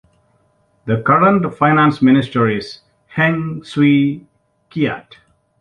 The current Finance Minister is Heng Swee Keat.